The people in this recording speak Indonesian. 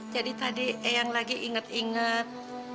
jadi tadi eang lagi inget inget